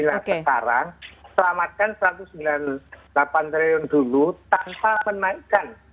nah sekarang selamatkan rp satu ratus sembilan puluh delapan triliun dulu tanpa menaikkan